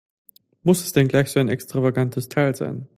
Muss es denn gleich so ein extravagantes Teil sein?